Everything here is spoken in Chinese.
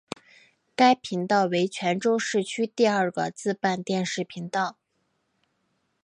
该频道为泉州市区第二个自办电视频道。